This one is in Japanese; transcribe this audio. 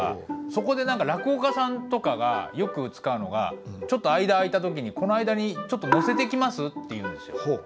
そこで落語家さんとかがよく使うのがちょっと間空いた時に「この間にちょっとのせてきます」っていうんですよ。